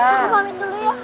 aku pamit dulu ya